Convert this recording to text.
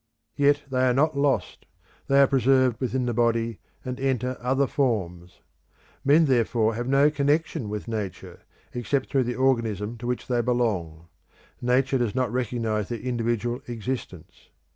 Yet they are not lost, they are preserved within the body and enter other forms. Men therefore have no connection with Nature, except through the organism to which they belong. Nature does not recognise their individual existence.